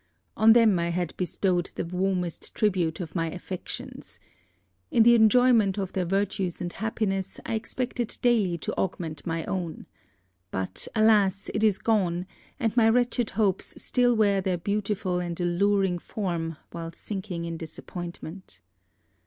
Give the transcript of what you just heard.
On them I had bestowed the warmest tribute of my affections. In the enjoyment of their virtues and happiness, I expected daily to augment my own. But, alas! it is gone; and my wretched hopes still wear their beautiful and alluring form while sinking in disappointment.